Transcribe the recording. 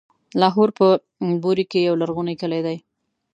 لاهور په بوري کې يو لرغونی کلی دی.